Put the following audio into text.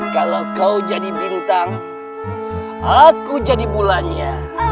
kalau kau jadi bintang aku jadi bulannya